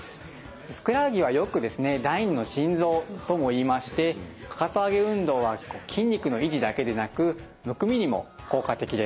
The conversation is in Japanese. ふくらはぎはよく第二の心臓ともいいましてかかと上げ運動は筋肉の維持だけでなくむくみにも効果的です。